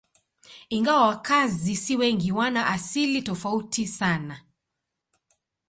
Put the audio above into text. Ingawa wakazi si wengi, wana asili tofauti sana.